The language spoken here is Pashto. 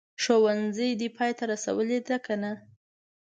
ښوونځی دي پای ته رسولی دی که نه ؟